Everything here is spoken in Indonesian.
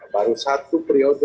baru satu periode